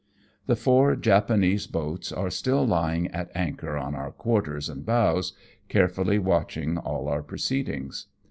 The four Japanese boats are still lying at anchor on our quarters and bows, carefully watching all our pro ceedings.